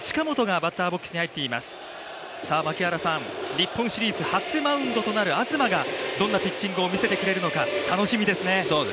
日本シリーズハツマウンドとなる東がどんなピッチングを見せてくれるのか楽しみですね。